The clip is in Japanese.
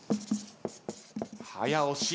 早押し。